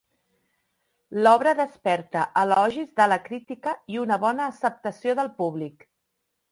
L'obra desperta elogis de la crítica i una bona acceptació del públic.